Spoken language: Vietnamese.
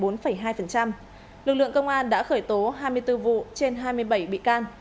lực lượng công an đã khởi tố hai mươi bốn vụ trên hai mươi bảy bị can